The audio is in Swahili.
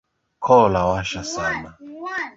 Koo lawasha sana.